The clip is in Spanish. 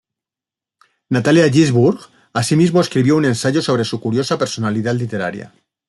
Natalia Ginzburg asimismo escribió un ensayo sobre su curiosa personalidad literaria.